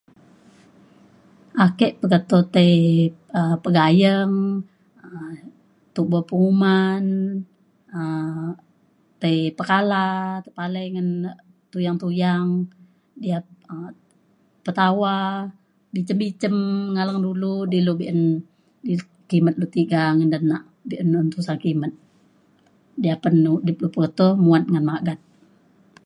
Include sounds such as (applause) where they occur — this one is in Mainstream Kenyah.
ake peketo tai um pegayeng um tubo penguman um tai pekala tepalai ngan tuyang tuyang diat um tetawa bicem bicem ngaleng dulu di lu be'un kimet lu tiga ngan denak be'un tusah kimet (unintelligible) muat ngan magat